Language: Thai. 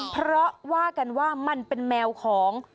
เพราะว่ากันว่ามันเป็นแมวของ